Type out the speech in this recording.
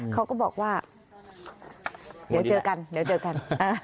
เขาก็บอกว่าเดี๋ยวเจอกัน